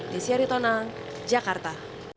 desy aritona jakarta